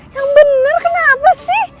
yang benar kenapa sih